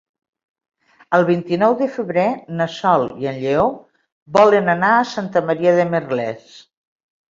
El vint-i-nou de febrer na Sol i en Lleó volen anar a Santa Maria de Merlès.